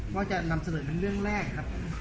ก็จะนำเสนอเป็นเรื่องแรกครับ